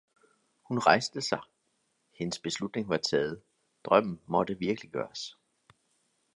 Hun rejste sig, hendes beslutning var taget, drømmen måtte virkeliggøres.